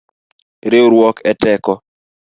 Riuruok eteko.